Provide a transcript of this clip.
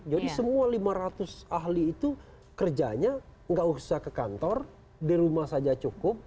jadi semua lima ratus ahli itu kerjanya nggak usah ke kantor di rumah saja cukup